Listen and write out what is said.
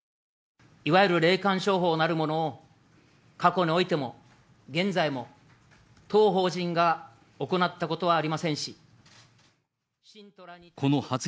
いわゆる霊感商法なるものを、過去においても、現在も、当法人が行ったことはありませんし。